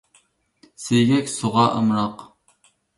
سىيگەك سۇغا ئامراق.